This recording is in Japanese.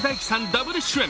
ダブル主演